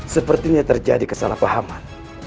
sepertinya terjadi kesalahpahaman